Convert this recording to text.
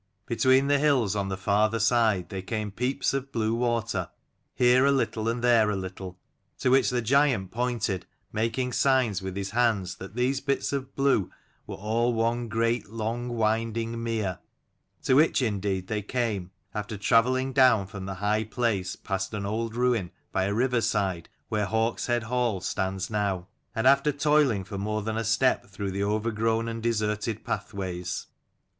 Between the hills on the farther side there came peeps of blue water, here a little and there a little ; to which the giant pointed, making signs with his hands that these bits of blue were all one great long winding mere. To which indeed they came, after travelling down from the high place past an old ruin by a river side where Hawks head Hall stands now, and after toiling for more than a step through the overgrown and deserted pathways.